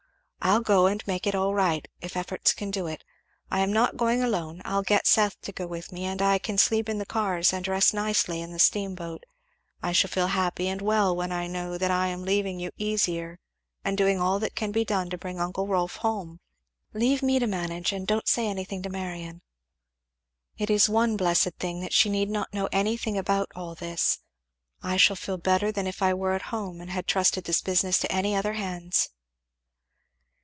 I'll go and make all right, if efforts can do it. I am not going alone I'll get Seth to go with me; and I can sleep in the cars and rest nicely in the steamboat I shall feel happy and well when I know that I am leaving you easier and doing all that can be done to bring uncle Rolf home. Leave me to manage, and don't say anything to Marion, it is one blessed thing that she need not know anything about all this. I shall feel better than if I were at home and had trusted this business to any other hands."